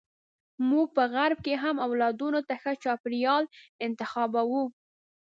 موږ په غرب کې هم اولادونو ته ښه چاپیریال انتخابوو.